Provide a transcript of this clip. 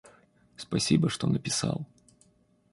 Спасибо, что написал.